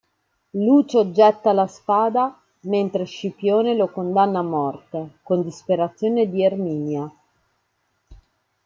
Lucio getta la spada, mentre Scipione lo condanna a morte, con disperazione di Erminia.